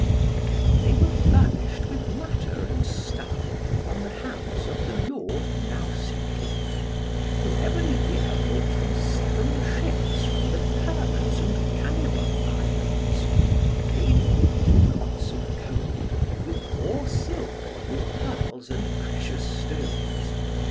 They were furnished with matter and stuff from the hands of the Lord Nausiclete, who every year brought them seven ships from the Perlas and Cannibal Islands, laden with ingots of gold, with raw silk, with pearls and precious stones.